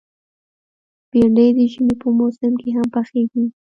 بېنډۍ د ژمي په موسم کې هم پخېږي